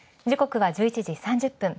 時刻は１１時３０分。